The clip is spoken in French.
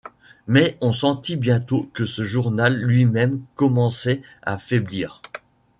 Mais on sentit bientôt que ce journal lui-même commençait à faiblir.